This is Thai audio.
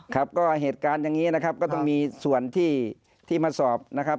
ครับก็เหตุการณ์อย่างนี้นะครับก็ต้องมีส่วนที่มาสอบนะครับ